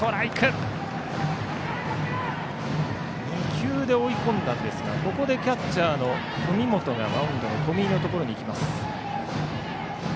２球で追い込みましたがキャッチャーの文元がマウンドの冨井のところに行きます。